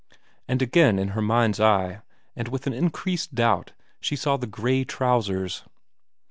And again in her mind's eye, and with an increased doubt, she saw the grey trousers.